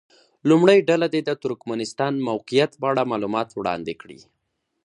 لومړۍ ډله دې د ترکمنستان موقعیت په اړه معلومات وړاندې کړي.